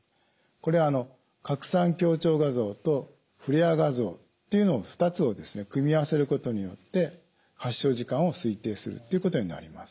これは拡散強調画像とフレアー画像という２つを組み合わせることによって発症時間を推定するということになります。